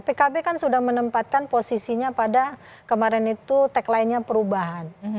pkb kan sudah menempatkan posisinya pada kemarin itu tagline nya perubahan